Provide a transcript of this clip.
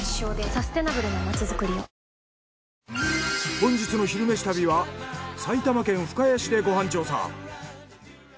本日の「昼めし旅」は埼玉県深谷市でご飯調査。